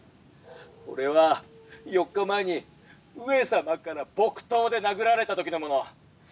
これは４日前に上様から木刀で殴られた時のもの！